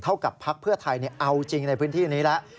พักกับพักเพื่อไทยเอาจริงในพื้นที่นี้แล้ว